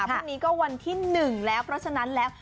วันนี้ก็วันที่หนึ่งแล้วเพราะฉะนั้นแล้ว